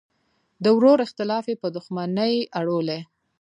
د ورور اختلاف یې په دوښمنۍ اړولی.